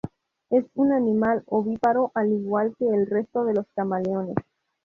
Es un animal ovíparo, al igual que el resto de los camaleones.